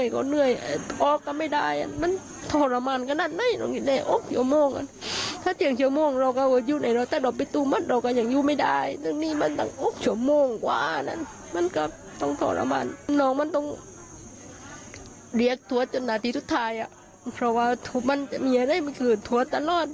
ก็จนนาทีสุดท้ายอ่ะเพราะว่ามันใหญ่ได้คืนทวดตลอด